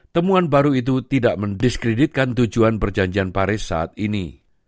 temuan baru itu tidak mendiskreditkan tujuan perjanjian paris saat ini